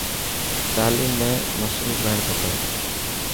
تعليم ۾ مصروف رهڻ کپي.